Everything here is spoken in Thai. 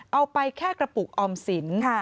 เอาไปแค่กระปุกออมสิน